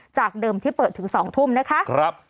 จากเดิมที่เปิดถึง๒ทุ่มนะคะ